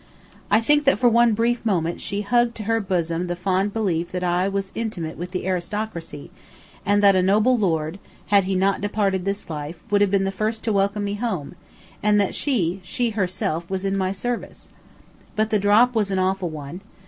I think that for one brief moment she hugged to her bosom the fond belief that I was intimate with the aristocracy, and that a noble lord, had he not departed this life, would have been the first to welcome me home, and that she she herself was in my service. But the drop was an awful one.